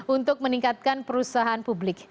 untuk meningkatkan perusahaan publik